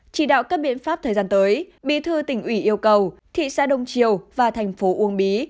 chỉ đạo các biện pháp thời gian tới bí thư tỉnh ủy yêu cầu thị xã đông triều và thành phố uông bí